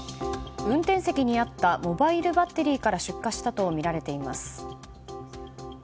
運転席にあったモバイルバッテリーから出火したとみられています。